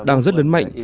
đang rất lớn mạnh